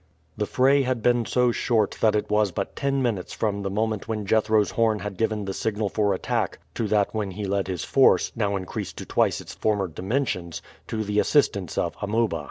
The fray had been so short that it was but ten minutes from the moment when Jethro's horn had given the signal for attack to that when he led his force, now increased to twice its former dimensions, to the assistance of Amuba.